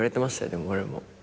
でも俺も。